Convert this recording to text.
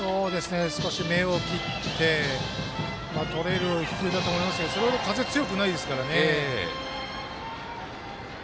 少し目を切ってとれる飛球だと思いますがそれほど風、強くないですからね。